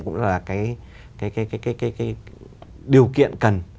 cái điều kiện cần